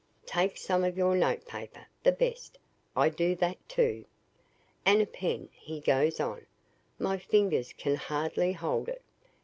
"'Take some of your notepaper the best.' I do that, too. "'And a pen,' he goes on. My fingers can hardly hold it.